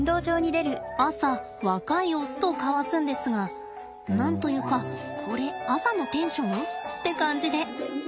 朝若いオスと交わすんですが何と言うかこれ朝のテンション？って感じで。